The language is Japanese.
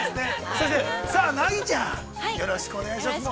先生、ナギちゃん、よろしくお願いします。